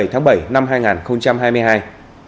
hàng năm cứ vào dịp này